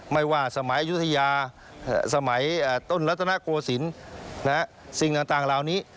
ไม่ว่าสมัยยุธยาสมัยต้นรัฐนาโกศิลป์สิ่งต่างเหล่านี้